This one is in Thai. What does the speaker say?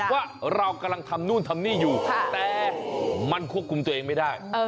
ว่าเรากำลังทำนู่นทำนี่อยู่แต่มันควบคุมตัวเองไม่ได้